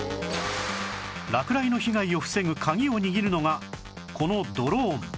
落雷の被害を防ぐ鍵を握るのがこのドローン